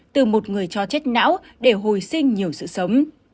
từ một người cho chết não để hồi sinh nhiều sự sống